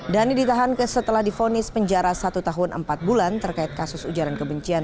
dhani ditahan setelah difonis penjara satu tahun empat bulan terkait kasus ujaran kebencian